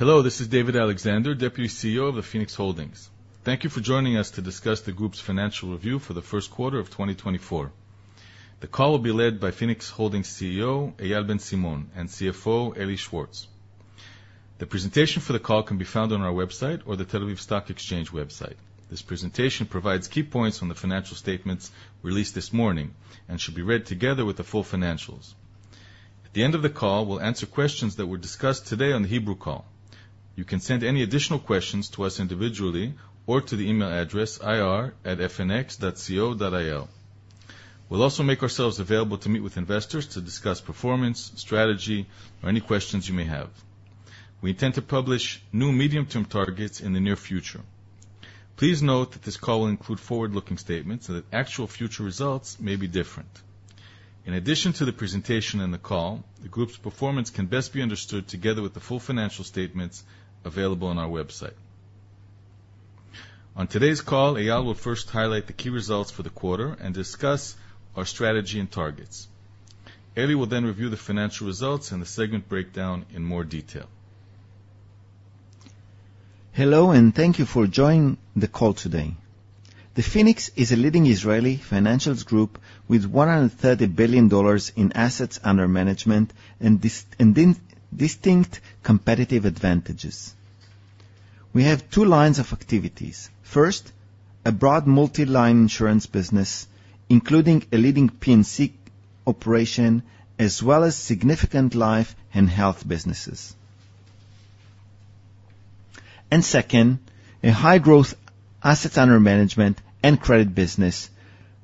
Hello, this is David Alexander, Deputy CEO of Phoenix Holdings. Thank you for joining us to discuss the group's financial review for the first quarter of 2024. The call will be led by Phoenix Holdings CEO, Eyal Ben Simon, and CFO, Eli Schwartz. The presentation for the call can be found on our website or the Tel Aviv Stock Exchange website. This presentation provides key points from the financial statements released this morning and should be read together with the full financials. At the end of the call, we'll answer questions that were discussed today on the Hebrew call. You can send any additional questions to us individually or to the email address ir@fnx.co.il. We'll also make ourselves available to meet with investors to discuss performance, strategy, or any questions you may have. We intend to publish new medium-term targets in the near future. Please note that this call will include forward-looking statements that actual future results may be different. In addition to the presentation and the call, the group's performance can best be understood together with the full financial statements available on our website. On today's call, Eyal will first highlight the key results for the quarter and discuss our strategy and targets. Eli will review the financial results and the segment breakdown in more detail. Hello, thank you for joining the call today. The Phoenix is a leading Israeli financials group with $130 billion in assets under management and distinct competitive advantages. We have two lines of activities. First, a broad multi-line insurance business, including a leading P&C operation, as well as significant life and Health businesses. Second, a high-growth assets under management and credit business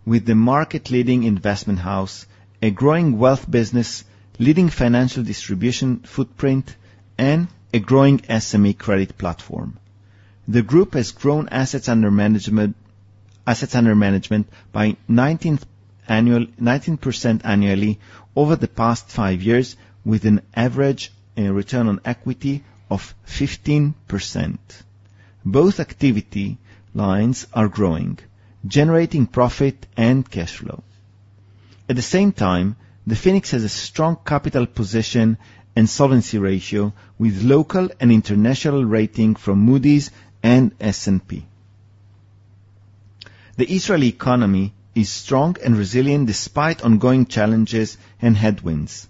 with the market-leading investment house, a growing wealth business, leading financial distribution footprint, and a growing SME credit platform. The group has grown assets under management by 19% annually over the past five years with an average return on equity of 15%. Both activity lines are growing, generating profit and cash flow. At the same time, The Phoenix has a strong capital position and solvency ratio with local and international rating from Moody's and S&P. The Israeli economy is strong and resilient despite ongoing challenges and headwinds.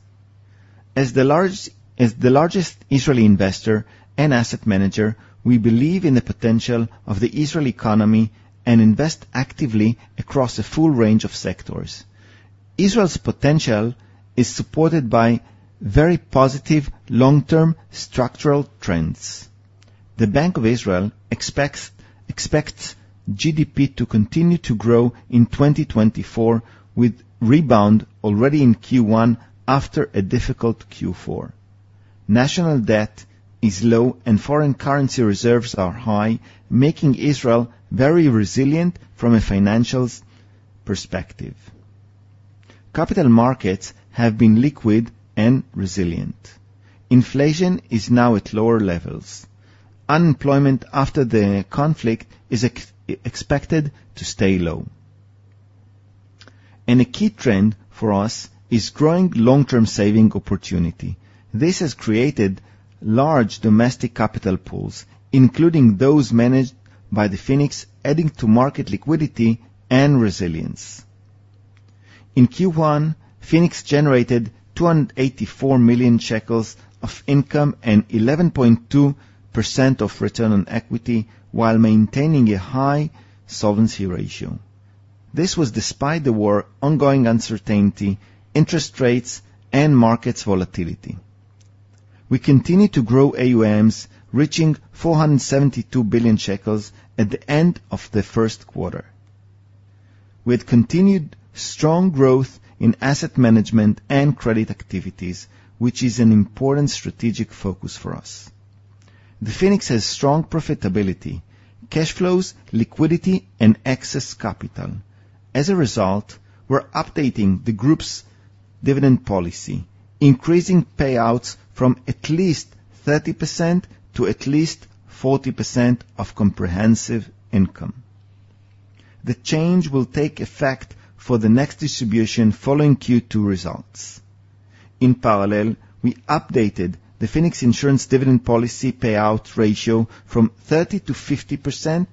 As the largest Israeli investor and asset manager, we believe in the potential of the Israeli economy and invest actively across a full range of sectors. Israel's potential is supported by very positive long-term structural trends. The Bank of Israel expects GDP to continue to grow in 2024, with rebound already in Q1 after a difficult Q4. National debt is low, foreign currency reserves are high, making Israel very resilient from a financials perspective. Capital markets have been liquid and resilient. Inflation is now at lower levels. Unemployment after the conflict is expected to stay low. A key trend for us is growing long-term saving opportunity. This has created large domestic capital pools, including those managed by The Phoenix, adding to market liquidity and resilience. In Q1, Phoenix generated 284 million shekels of income and 11.2% of return on equity while maintaining a high solvency ratio. This was despite the ongoing uncertainty, interest rates, and markets volatility. We continue to grow AUMs, reaching 472 billion shekels at the end of the first quarter. We had continued strong growth in asset management and credit activities, which is an important strategic focus for us. The Phoenix has strong profitability, cash flows, liquidity, and excess capital. As a result, we're updating the group's dividend policy, increasing payouts from at least 30% to at least 40% of comprehensive income. The change will take effect for the next distribution following Q2 results. In parallel, we updated the Phoenix Insurance dividend policy payout ratio from 30%-50%,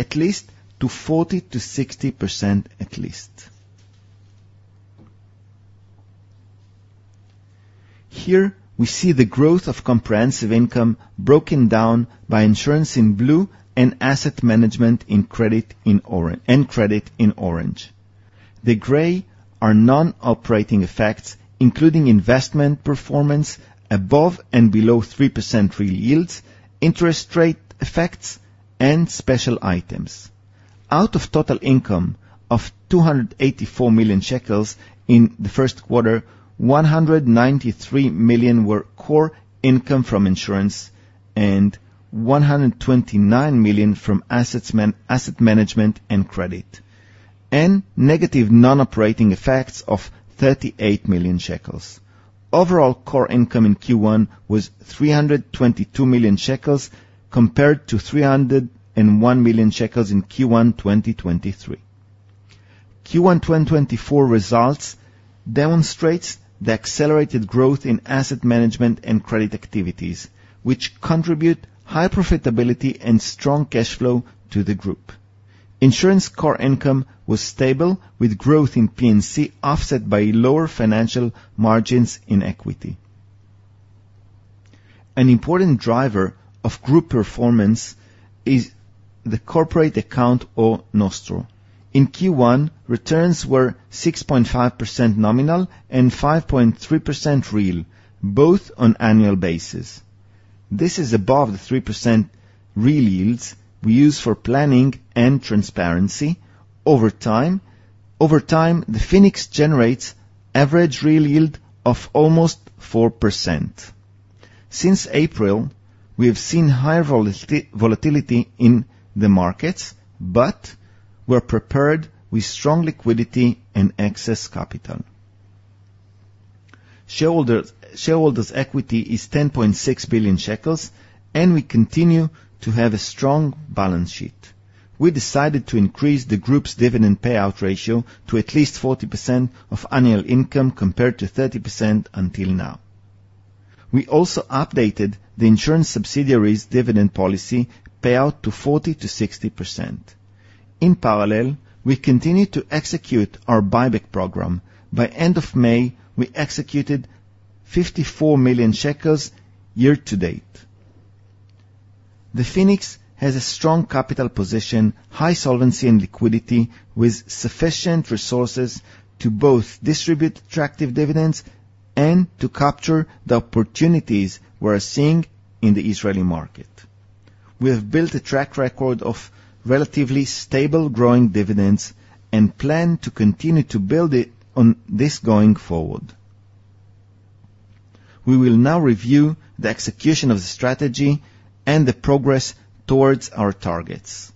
at least, to 40%-60%, at least. Here we see the growth of comprehensive income broken down by insurance in blue and asset management and credit in orange. The gray are non-operating effects, including investment performance above and below 3% real yields, interest rate effects, and special items. Out of total income of 284 million shekels in the first quarter, 193 million were core income from insurance and 129 million from asset management and credit. Negative non-operating effects of 38 million shekels. Overall core income in Q1 was 322 million shekels compared to 301 million shekels in Q1 2023. Q1 2024 results demonstrates the accelerated growth in asset management and credit activities, which contribute high profitability and strong cash flow to the group. Insurance core income was stable with growth in P&C offset by lower financial margins in equity. An important driver of group performance is the corporate account or nostro. In Q1, returns were 6.5% nominal and 5.3% real, both on annual basis. This is above the 3% real yields we use for planning and transparency over time. Over time, The Phoenix generates average real yield of almost 4%. Since April, we have seen higher volatility in the markets, but we're prepared with strong liquidity and excess capital. Shareholders' equity is 10.6 billion shekels. We continue to have a strong balance sheet. We decided to increase the group's dividend payout ratio to at least 40% of annual income compared to 30% until now. We also updated the insurance subsidiary's dividend policy payout to 40%-60%. In parallel, we continued to execute our buyback program. By end of May, we executed 54 million shekels year to date. The Phoenix has a strong capital position, high solvency, and liquidity with sufficient resources to both distribute attractive dividends and to capture the opportunities we are seeing in the Israeli market. We have built a track record of relatively stable growing dividends and plan to continue to build on this going forward. We will now review the execution of the strategy and the progress towards our targets.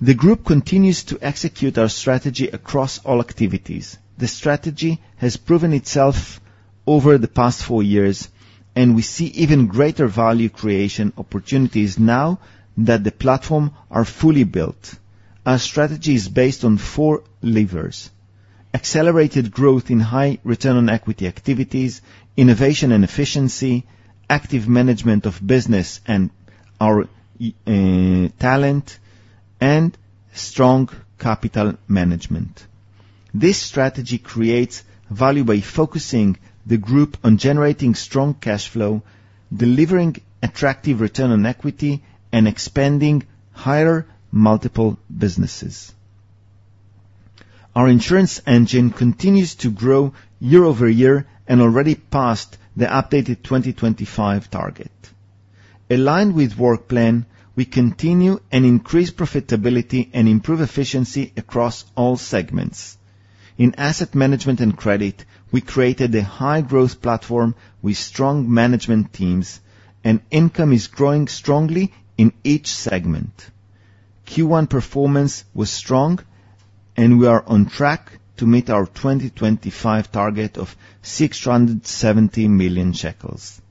The group continues to execute our strategy across all activities. The strategy has proven itself over the past four years. We see even greater value creation opportunities now that the platform are fully built. Our strategy is based on four levers: accelerated growth in high return on equity activities, innovation and efficiency, active management of business and our talent, and strong capital management. This strategy creates value by focusing the group on generating strong cash flow, delivering attractive return on equity, and expanding higher multiple businesses. Our insurance engine continues to grow year-over-year and already passed the updated 2025 target. Aligned with work plan, we continue and increase profitability and improve efficiency across all segments. In asset management and credit, we created a high growth platform with strong management teams, income is growing strongly in each segment. Q1 performance was strong, and we are on track to meet our 2025 target of 670 million shekels.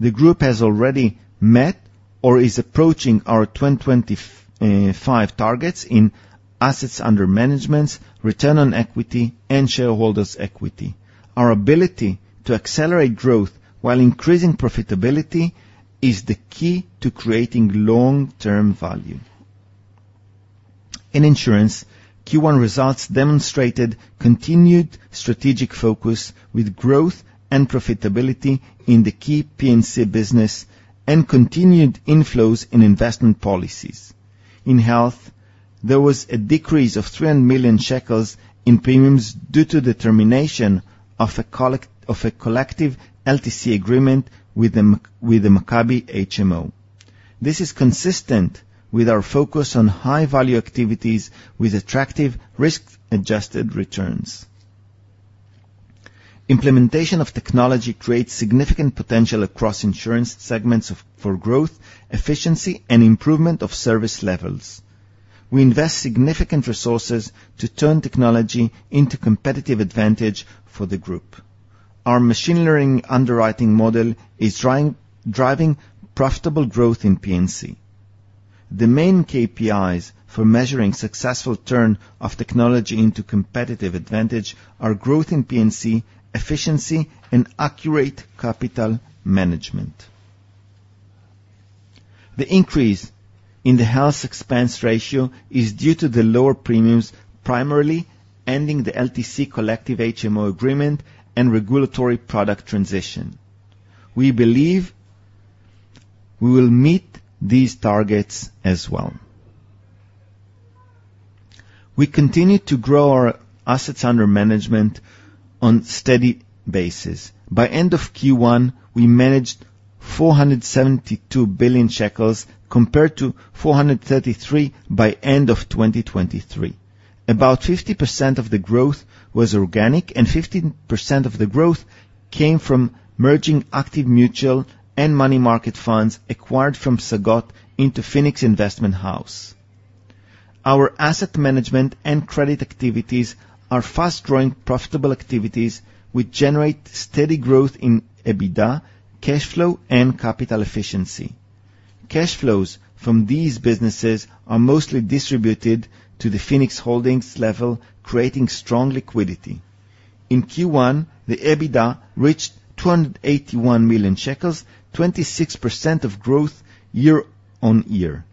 The group has already met or is approaching our 2025 targets in assets under management, return on equity, and shareholders' equity. Our ability to accelerate growth while increasing profitability is the key to creating long-term value. In insurance, Q1 results demonstrated continued strategic focus with growth and profitability in the key P&C business and continued inflows in investment policies. In Health, there was a decrease of 300 million shekels in premiums due to the termination of a collective LTC agreement with the Maccabi HMO. This is consistent with our focus on high-value activities with attractive risk-adjusted returns. Implementation of technology creates significant potential across insurance segments for growth, efficiency, and improvement of service levels. We invest significant resources to turn technology into competitive advantage for the group. Our machine learning underwriting model is driving profitable growth in P&C. The main KPIs for measuring successful turn of technology into competitive advantage are growth in P&C, efficiency, and accurate capital management. The increase in the Health expense ratio is due to the lower premiums, primarily ending the LTC collective HMO agreement and regulatory product transition. We believe we will meet these targets as well. We continue to grow our assets under management on steady basis. By end of Q1, we managed 472 billion shekels compared to 433 billion by end of 2023. About 50% of the growth was organic, 50% of the growth came from merging active mutual and money market funds acquired from Psagot into Phoenix Investment House. Our asset management and credit activities are fast-growing profitable activities which generate steady growth in EBITDA, cash flow, and capital efficiency. Cash flows from these businesses are mostly distributed to the Phoenix Holdings level, creating strong liquidity. In Q1, the EBITDA reached 281 million shekels, 26% of growth year-over-year.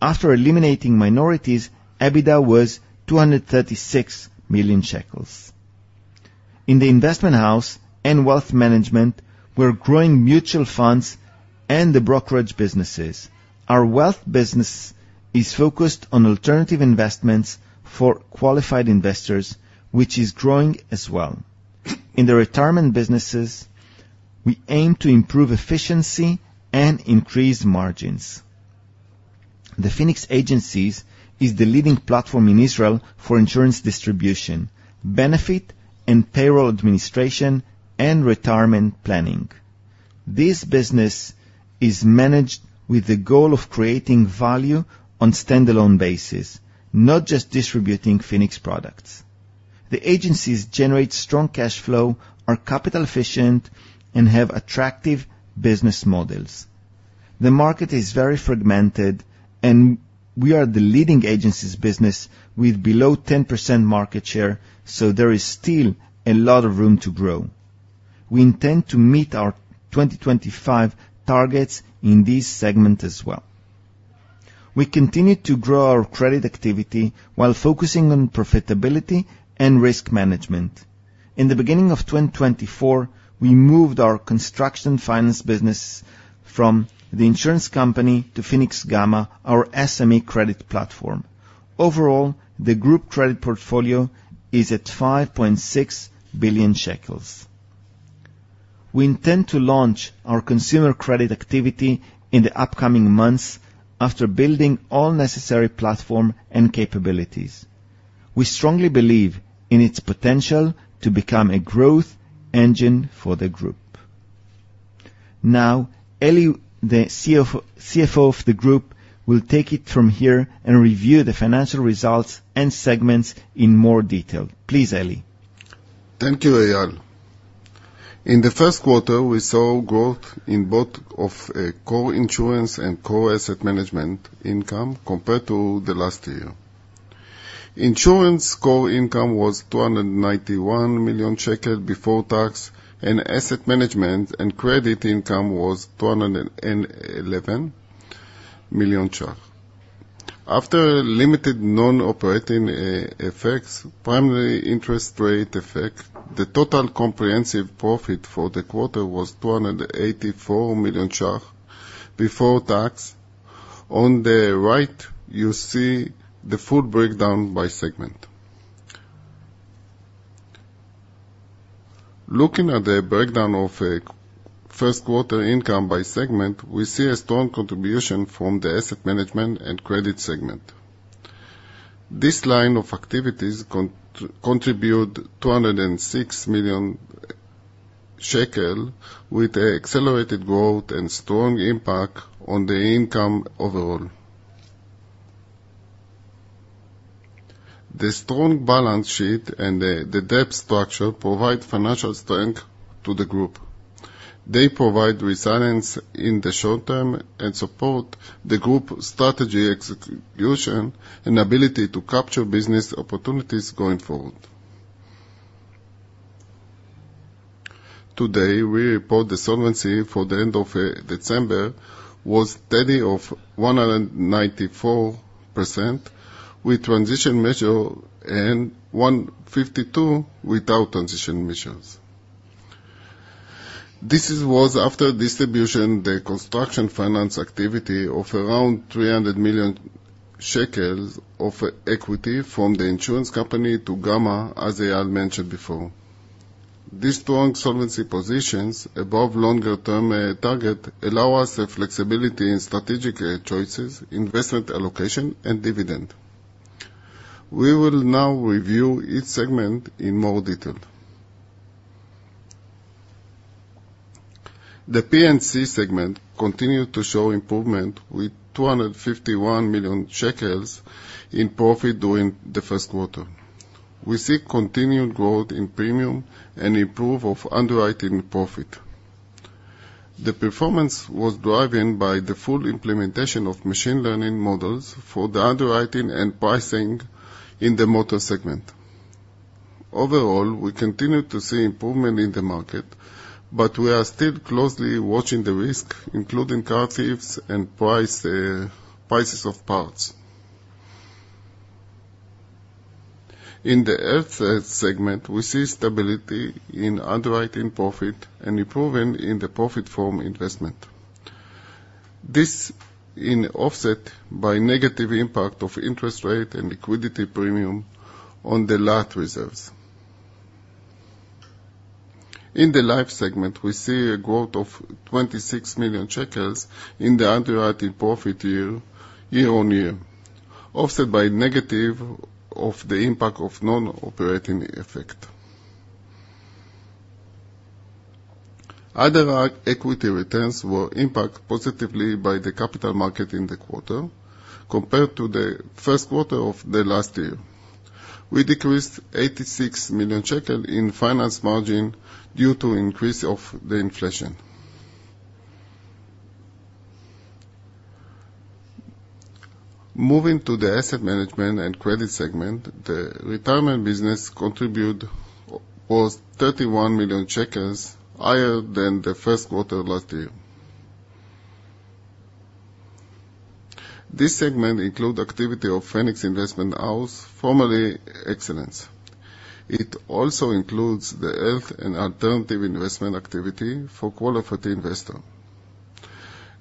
After eliminating minorities, EBITDA was 236 million shekels. In the Investment House and wealth management, we're growing mutual funds and the brokerage businesses. Our wealth business is focused on alternative investments for qualified investors, which is growing as well. In the retirement businesses, we aim to improve efficiency and increase margins. The Phoenix Agencies is the leading platform in Israel for insurance distribution, benefit and payroll administration, and retirement planning. This business is managed with the goal of creating value on standalone basis, not just distributing Phoenix products. The agencies generate strong cash flow, are capital efficient, and have attractive business models. The market is very fragmented, we are the leading agencies business with below 10% market share, so there is still a lot of room to grow. We intend to meet our 2025 targets in this segment as well. We continue to grow our credit activity while focusing on profitability and risk management. In the beginning of 2024, we moved our construction finance business from the insurance company to Phoenix-Gama, our SME credit platform. Overall, the group credit portfolio is at 5.6 billion shekels. We intend to launch our consumer credit activity in the upcoming months after building all necessary platform and capabilities. We strongly believe in its potential to become a growth engine for the group. Eli, the CFO of the group, will take it from here and review the financial results and segments in more detail. Please, Eli. Thank you, Eyal. In the first quarter, we saw growth in both of core insurance and core asset management income compared to the last year. Insurance core income was 291 million shekel before tax, and asset management and credit income was 211 million shekel. After limited non-operating effects, primary interest rate effect, the total comprehensive profit for the quarter was 284 million before tax. On the right, you see the full breakdown by segment. Looking at the breakdown of first quarter income by segment, we see a strong contribution from the asset management and credit segment. This line of activities contribute 206 million shekel with accelerated growth and strong impact on the income overall. The strong balance sheet and the debt structure provide financial strength to the group. They provide resilience in the short term and support the group strategy execution and ability to capture business opportunities going forward. We report the solvency for the end of December was steady of 194% with transition measure and 152 without transition measures. This was after distribution the construction finance activity of around 300 million shekels of equity from the insurance company to Gama, as I had mentioned before. These strong solvency positions above longer-term target allow us the flexibility in strategic choices, investment allocation, and dividend. We will now review each segment in more detail. The P&C segment continued to show improvement with 251 million shekels in profit during the first quarter. We see continued growth in premium and improve of underwriting profit. The performance was driven by the full implementation of machine learning models for the underwriting and pricing in the motor segment. Overall, we continue to see improvement in the market, we are still closely watching the risk, including car thieves and prices of parts. In the Health segment, we see stability in underwriting profit and improvement in the profit from investment. This in offset by negative impact of interest rate and liquidity premium on the LAT reserves. In the life segment, we see a growth of 26 million shekels in the underwriting profit year-on-year, offset by negative of the impact of non-operating effect. Other equity returns were impacted positively by the capital market in the quarter compared to the first quarter of the last year. We decreased 86 million shekel in finance margin due to increase of the inflation. Moving to the asset management and credit segment, the retirement business contribute was 31 million shekels, higher than the first quarter last year. This segment include activity of Phoenix Investment House, formerly Excellence. It also includes the Health and alternative investment activity for qualified investor.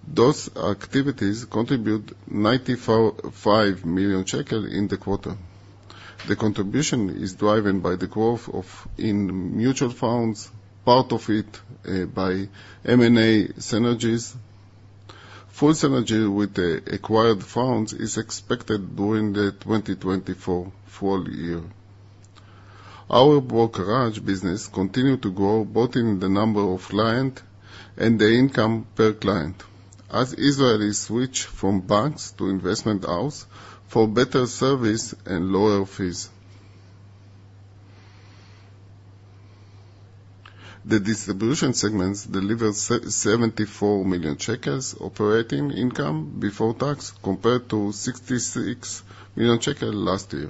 Those activities contribute 95 million shekel in the quarter. The contribution is driven by the growth in mutual funds, part of it by M&A synergies. Full synergy with the acquired funds is expected during the 2024 full year. Our brokerage business continued to grow both in the number of clients and the income per client, as Israelis switch from banks to investment houses for better service and lower fees. The distribution segments delivered 74 million operating income before tax, compared to 66 million shekels last year.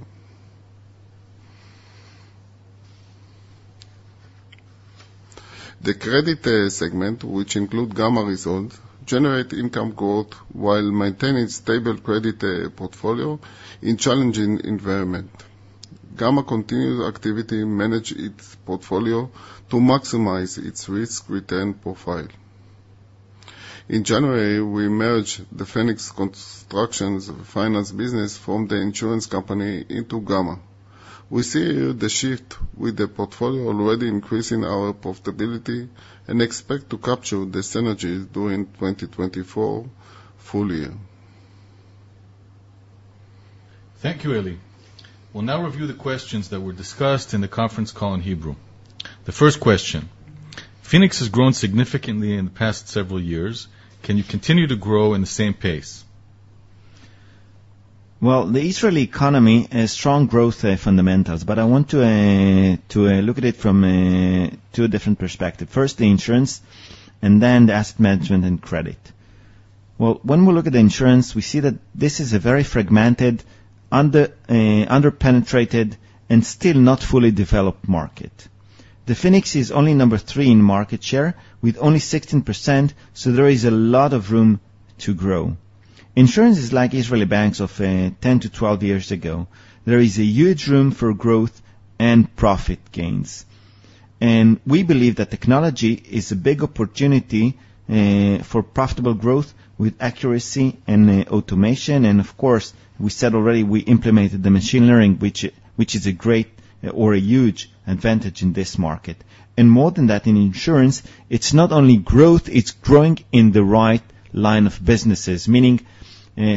The credit segment, which includes Gama results, generates income growth while maintaining stable credit portfolio in challenging environment. Gama continues activity manage its portfolio to maximize its risk return profile. In January, we merged the Phoenix Construction Financing business from The Phoenix Insurance Company into Gama. We see the shift with the portfolio already increasing our profitability and expect to capture the synergies during 2024 full year. Thank you, Eli. We'll now review the questions that were discussed in the conference call in Hebrew. The first question. Phoenix has grown significantly in the past several years. Can you continue to grow in the same pace? The Israeli economy has strong growth fundamentals, but I want to look at it from two different perspectives. Then the asset management and credit. When we look at the insurance, we see that this is a very fragmented, under-penetrated, and still not fully developed market. The Phoenix is only number three in market share with only 16%. There is a lot of room to grow. Insurance is like Israeli banks of 10 to 12 years ago. There is a huge room for growth and profit gains. We believe that technology is a big opportunity for profitable growth with accuracy and automation. Of course, we said already we implemented the machine learning, which is a great or a huge advantage in this market. More than that, in insurance, it's not only growth, it's growing in the right line of businesses. Meaning,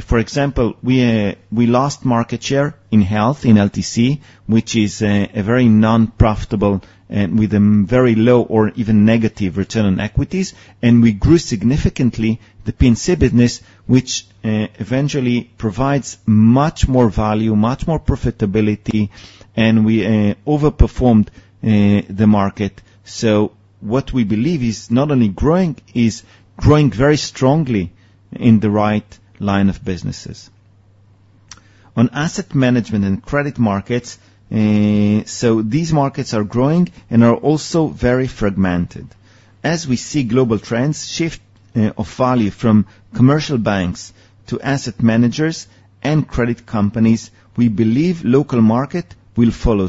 for example, we lost market share in Health, in LTC, which is a very non-profitable with a very low or even negative return on equities. We grew significantly the P&C business, which eventually provides much more value, much more profitability, and we overperformed the market. What we believe is not only growing, is growing very strongly in the right line of businesses. On asset management and credit markets, these markets are growing and are also very fragmented. As we see global trends shift of value from commercial banks to asset managers and credit companies, we believe local market will follow.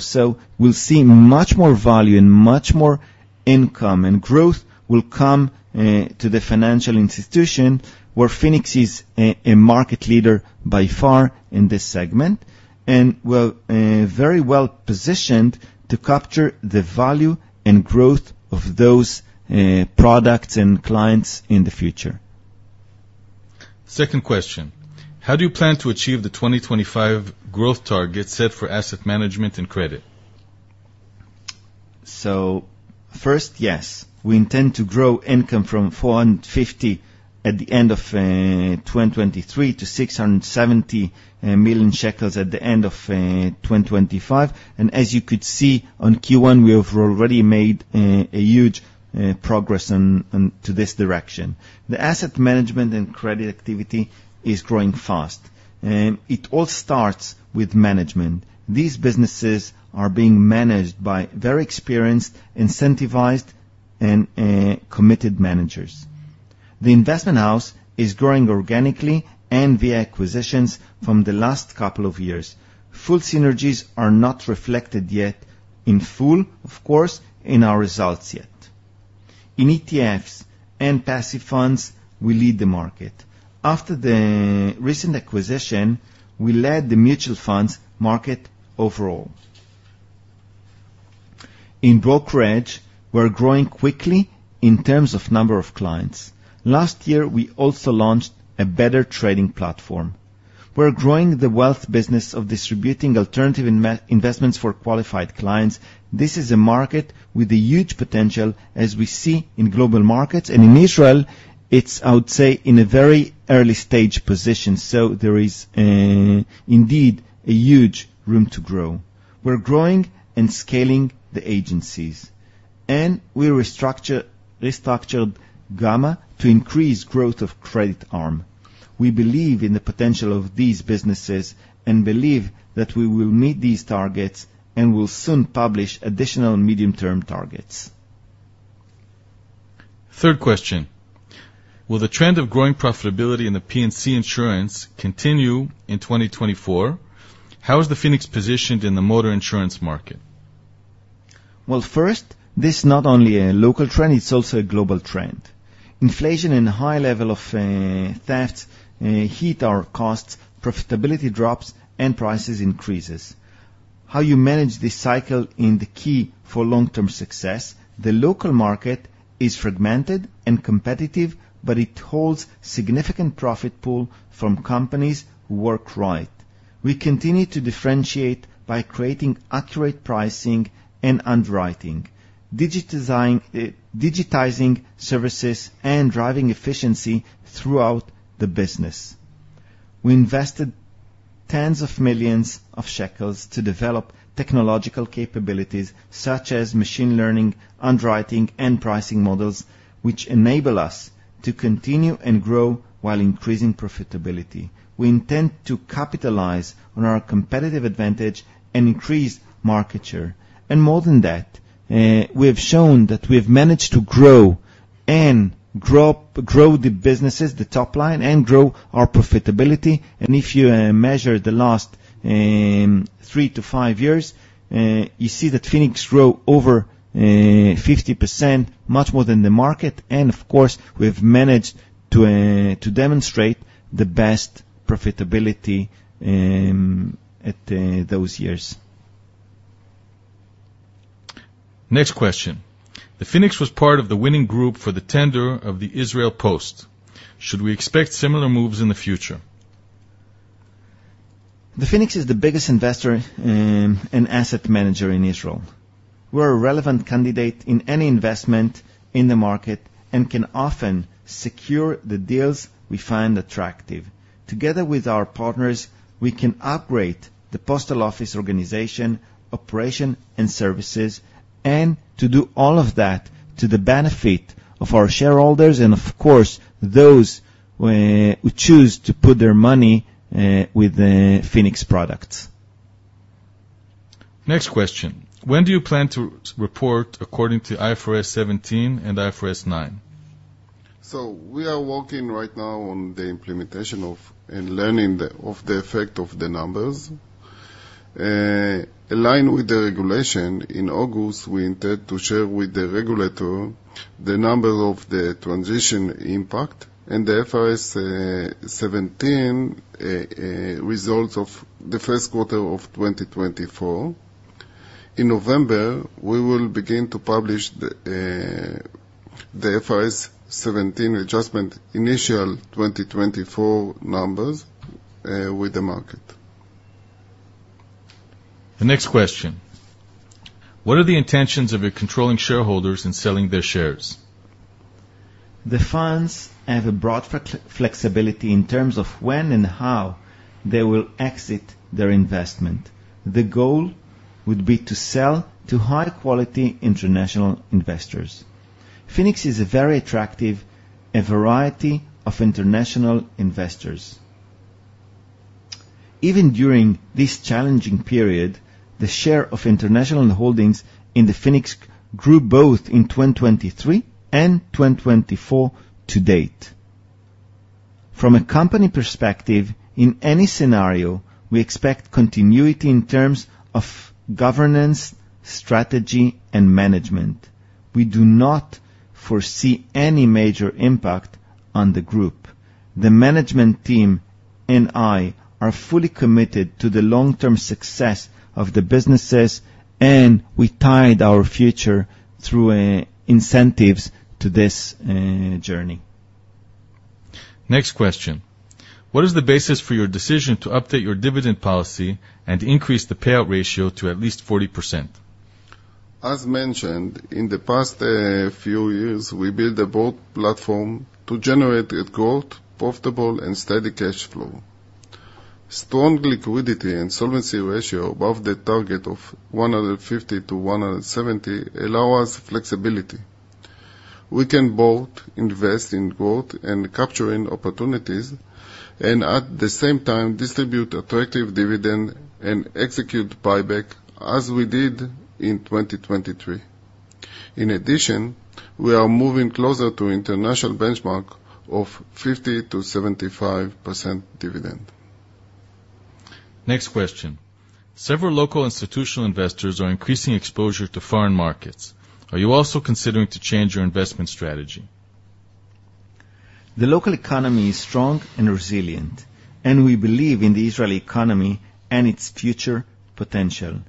We'll see much more value and much more income, and growth will come to the financial institution where Phoenix is a market leader by far in this segment, and we're very well-positioned to capture the value and growth of those products and clients in the future. Second question. How do you plan to achieve the 2025 growth target set for asset management and credit? First, yes. We intend to grow income from 450 million at the end of 2023 to 670 million shekels at the end of 2025. As you could see on Q1, we have already made a huge progress to this direction. The asset management and credit activity is growing fast. It all starts with management. These businesses are being managed by very experienced, incentivized, and committed managers. The investment house is growing organically and via acquisitions from the last couple of years. Full synergies are not reflected yet in full, of course, in our results yet. In ETFs and passive funds, we lead the market. After the recent acquisition, we led the mutual funds market overall. In brokerage, we're growing quickly in terms of number of clients. Last year, we also launched a better trading platform. We're growing the wealth business of distributing alternative investments for qualified clients. This is a market with a huge potential as we see in global markets. In Israel, it's, I would say, in a very early stage position. There is indeed a huge room to grow. We're growing and scaling the agencies, and we restructured Gama to increase growth of credit arm. We believe in the potential of these businesses and believe that we will meet these targets and will soon publish additional medium-term targets. Third question. Will the trend of growing profitability in the P&C insurance continue in 2024? How is The Phoenix positioned in the motor insurance market? Well, first, this is not only a local trend, it's also a global trend. Inflation and high level of thefts hit our costs, profitability drops, and prices increases. How you manage this cycle is the key for long-term success. The local market is fragmented and competitive, but it holds significant profit pool from companies who work right. We continue to differentiate by creating accurate pricing and underwriting, digitizing services, and driving efficiency throughout the business. We invested tens of millions of ILS to develop technological capabilities such as machine learning, underwriting, and pricing models, which enable us to continue and grow while increasing profitability. We intend to capitalize on our competitive advantage and increase market share. More than that, we have shown that we have managed to grow the businesses, the top line, and grow our profitability. If you measure the last three to five years, you see that Phoenix grow over 50%, much more than the market. Of course, we have managed to demonstrate the best profitability at those years. Next question. The Phoenix was part of the winning group for the tender of the Israel Post. Should we expect similar moves in the future? The Phoenix is the biggest investor and asset manager in Israel. We're a relevant candidate in any investment in the market and can often secure the deals we find attractive. Together with our partners, we can upgrade the postal office organization, operation, and services, and to do all of that to the benefit of our shareholders and, of course, those who choose to put their money with the Phoenix products. Next question. When do you plan to report according to IFRS 17 and IFRS 9? We are working right now on the implementation of and learning of the effect of the numbers. Aligned with the regulation, in August, we intend to share with the regulator the number of the transition impact and the IFRS 17 results of the first quarter of 2024. In November, we will begin to publish the IFRS 17 adjustment initial 2024 numbers with the market. The next question. What are the intentions of your controlling shareholders in selling their shares? The funds have a broad flexibility in terms of when and how they will exit their investment. The goal would be to sell to high-quality international investors. Phoenix is a very attractive, a variety of international investors. Even during this challenging period, the share of international holdings in Phoenix grew both in 2023 and 2024 to date. From a company perspective, in any scenario, we expect continuity in terms of governance, strategy, and management. We do not foresee any major impact on the group. The management team and I are fully committed to the long-term success of the businesses, and we tied our future through incentives to this journey. Next question. What is the basis for your decision to update your dividend policy and increase the payout ratio to at least 40%? As mentioned, in the past few years, we built a broad platform to generate growth, profitable, and steady cash flow. Strong liquidity and solvency ratio above the target of 150% to 170% allow us flexibility. We can both invest in growth and capturing opportunities, and at the same time distribute attractive dividend and execute buyback as we did in 2023. In addition, we are moving closer to international benchmark of 50%-75% dividend. Next question. Several local institutional investors are increasing exposure to foreign markets. Are you also considering to change your investment strategy? The local economy is strong and resilient, and we believe in the Israeli economy and its future potential.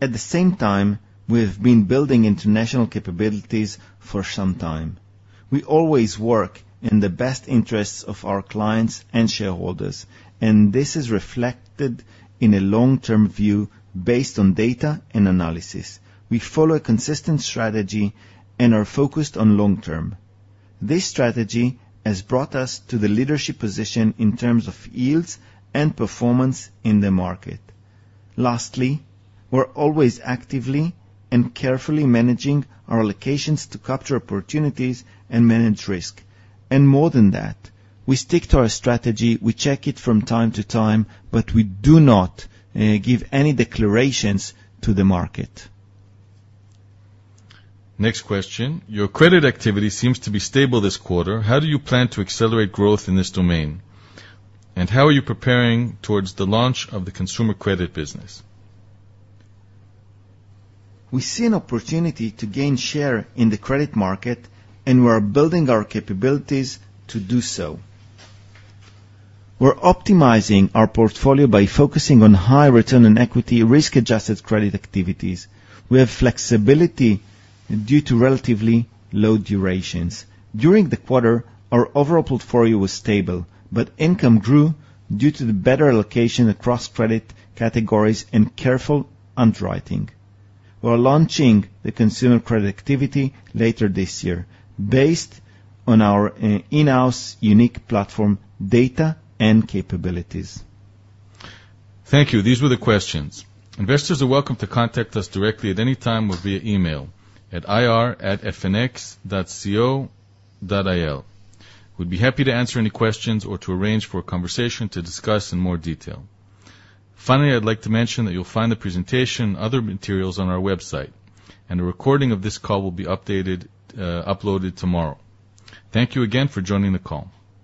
At the same time, we've been building international capabilities for some time. We always work in the best interests of our clients and shareholders, and this is reflected in a long-term view based on data and analysis. We follow a consistent strategy and are focused on long term. This strategy has brought us to the leadership position in terms of yields and performance in the market. Lastly, we're always actively and carefully managing our allocations to capture opportunities and manage risk. More than that, we stick to our strategy. We check it from time to time, but we do not give any declarations to the market. Next question. Your credit activity seems to be stable this quarter. How do you plan to accelerate growth in this domain? How are you preparing towards the launch of the consumer credit business? We see an opportunity to gain share in the credit market, and we are building our capabilities to do so. We're optimizing our portfolio by focusing on high return on equity risk-adjusted credit activities. We have flexibility due to relatively low durations. During the quarter, our overall portfolio was stable, but income grew due to the better allocation across credit categories and careful underwriting. We're launching the consumer credit activity later this year based on our in-house unique platform data and capabilities. Thank you. These were the questions. Investors are welcome to contact us directly at any time or via email at ir@fnx.co.il. We'd be happy to answer any questions or to arrange for a conversation to discuss in more detail. Finally, I'd like to mention that you'll find the presentation and other materials on our website. A recording of this call will be uploaded tomorrow. Thank you again for joining the call.